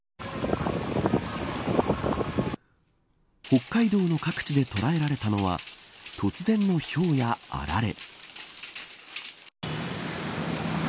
北海道の各地で捉えられたのは突然のひょうや、あられ。